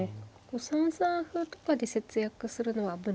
３三歩とかで節約するのは危ないんですか。